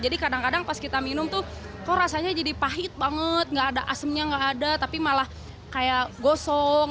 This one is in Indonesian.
jadi kadang kadang pas kita minum tuh kok rasanya jadi pahit banget gak ada asamnya gak ada tapi malah kayak gosong